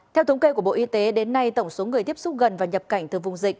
theo thống kê của bộ y tế đến nay tổng số người tiếp xúc gần và nhập cảnh từ vùng dịch